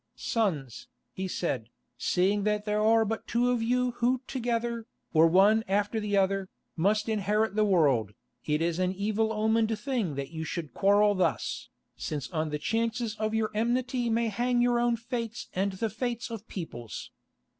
"Sons," he said, "seeing that there are but two of you who together, or one after the other, must inherit the world, it is an evil omened thing that you should quarrel thus, since on the chances of your enmity may hang your own fates and the fates of peoples.